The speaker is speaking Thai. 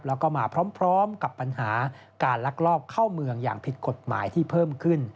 แล้วก็มาพร้อมกับปัญหาการลักลอบเข้าเมืองอย่างผิดกฎหมายที่เพิ่มขึ้น